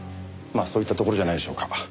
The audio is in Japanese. まあそういったところじゃないでしょうか。